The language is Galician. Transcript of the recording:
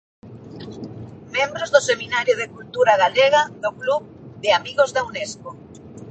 Membros do seminario de cultura Galega do Club de Amigos da Unesco.